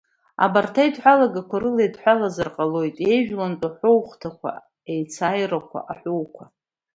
Абарҭ аидҳәалагақәа рыла еидҳәалазар ҟалоит иеижәлантәу аҳәоу хәҭақәа, аицааирақәа, аҳәоуқәа.